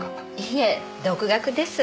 いえ独学です。